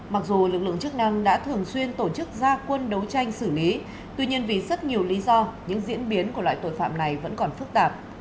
mặc dù lực lượng chức năng đã thường xuyên tổ chức gia quân đấu tranh xử lý tuy nhiên vì rất nhiều lý do những diễn biến của loại tội phạm này vẫn còn phức tạp